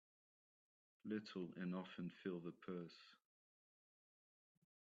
Little and often fill the purse.